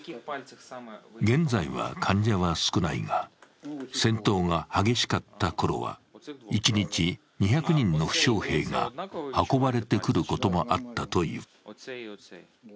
現在は患者は少ないが、戦闘が激しかったころは一日２００人の負傷兵が運ばれてくることもあったという。